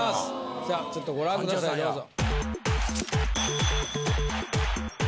さあちょっとご覧下さいどうぞ。